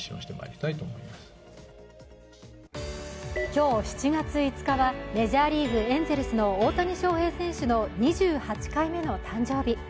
今日７月５日はメジャーリーグエンゼルスの大谷翔平選手の２８回目の誕生日。